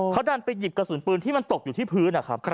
เขาดันไปหยิบกระสุนปืนที่มันตกอยู่ที่พื้นนะครับ